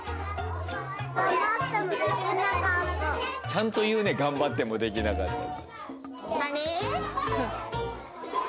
ちゃんと言うね「頑張っても、できなかった」。